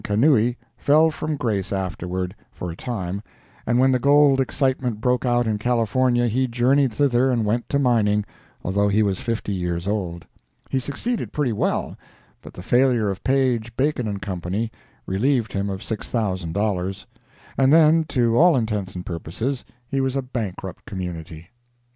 Kanui, fell from grace afterward, for a time, and when the gold excitement broke out in California he journeyed thither and went to mining, although he was fifty years old. He succeeded pretty well, but the failure of Page, Bacon & Co. relieved him of $6,000. and then, to all intents and purposes, he was a bankrupt community.